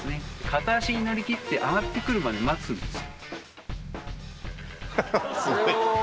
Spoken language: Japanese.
片足になりきって上がってくるまで待つんです。